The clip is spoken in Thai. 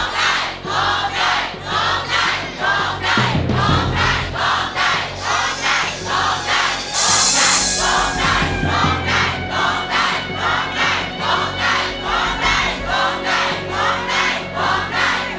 ร้องได้ร้องได้ร้องได้ร้องได้